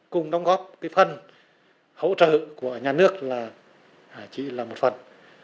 cùng đóng góp cái phần hỗ trợ của nhà nước là chỉ là một phần